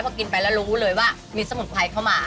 พอกินไปแล้วรู้เลยว่ามีสมุนไพรเข้ามา